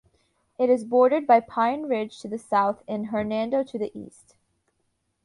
It is bordered by Pine Ridge to the south and Hernando to the east.